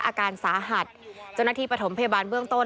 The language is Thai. อาการสาหัสเจ้าหน้าที่ปฐมพยาบาลเบื้องต้น